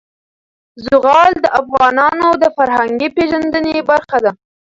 زغال د افغانانو د فرهنګي پیژندنې برخه ده.